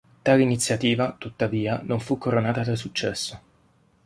Tale iniziativa, tuttavia, non fu coronata da successo.